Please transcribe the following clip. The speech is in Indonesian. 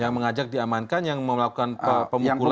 yang mengajak diamankan yang melakukan pemukulan